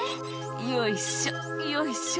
「よいしょよいしょ」